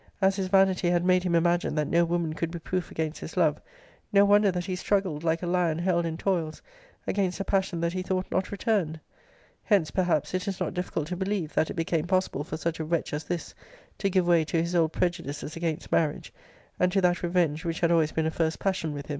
As his vanity had made him imagine that no woman could be proof against his love, no wonder that he struggled like a lion held in toils,* against a passion that he thought not returned. Hence, perhaps, it is not difficult to believe, that it became possible for such a wretch as this to give way to his old prejudices against marriage; and to that revenge which had always been a first passion with him.